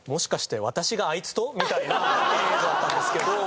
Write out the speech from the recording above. みたいな「え？」だったんですけど。